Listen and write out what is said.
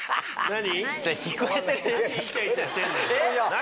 何？